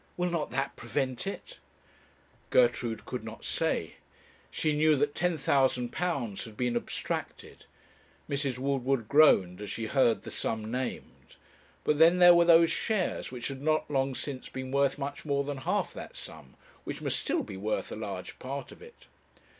will not that prevent it?' Gertrude could not say. She knew that £10,000 had been abstracted. Mrs. Woodward groaned as she heard the sum named. But then there were those shares, which had not long since been worth much more than half that sum, which must still be worth a large part of it.